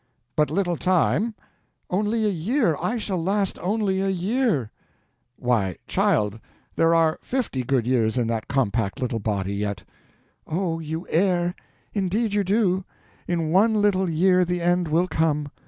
"But little time?" "Only a year—I shall last only a year." "Why, child, there are fifty good years in that compact little body yet." "Oh, you err, indeed you do. In one little year the end will come.